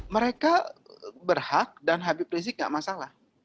mereka berhak dan habib rizik tidak masalah